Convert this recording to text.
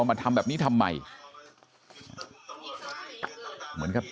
ซีด้านคุณซีด้านคุณซ